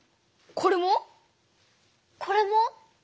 これも？これも？